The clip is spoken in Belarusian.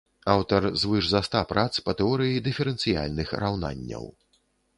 Аўтар звыш за ста прац па тэорыі дыферэнцыяльных раўнанняў.